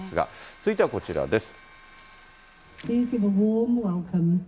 続いてはこちらです。